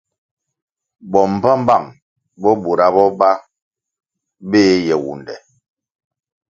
Bo mbpambpang bo bura bo ba beh Yewunde.